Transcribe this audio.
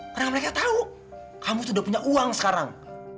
karena mereka tau kamu tuh udah punya uang sekarang